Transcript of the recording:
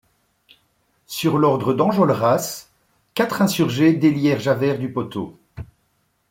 Sur l’ordre d’Enjolras, quatre insurgés délièrent Javert du poteau.